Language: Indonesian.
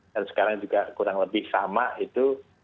dan sekarang juga kurang lebih sama itu